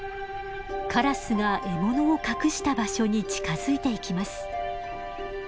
カラスが獲物を隠した場所に近づいていきます。